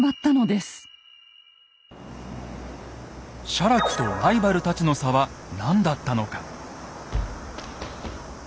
写楽とライバルたちの差は何だったのか。